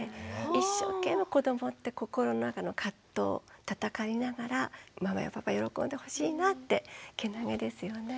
一生懸命子どもって心の中の葛藤闘いながらママやパパ喜んでほしいなってけなげですよね。